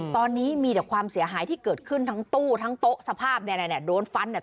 ตอนนี้มีแต่ความเสียหายที่เกิดขึ้นทั้งตู้ทั้งโต๊ะสภาพเนี่ยโดนฟันเนี่ย